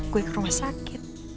gue ke rumah sakit